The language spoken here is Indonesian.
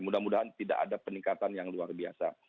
mudah mudahan tidak ada peningkatan yang luar biasa